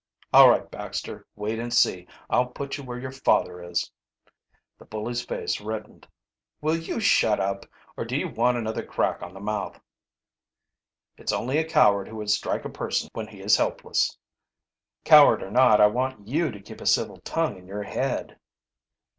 "All right, Baxter, wait and see. I'll put you where your father is." The bully's face reddened. "Will you shut up, or do you want another crack on the mouth?" "It's only a coward who would strike a person when he is helpless." "Coward or not, I want you to keep a civil tongue in your head."